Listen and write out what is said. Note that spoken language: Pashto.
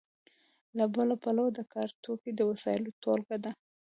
له بله پلوه د کار توکي د وسایلو ټولګه ده.